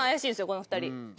この２人。